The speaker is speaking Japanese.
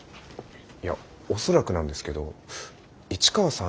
いや恐らくなんですけど市川さん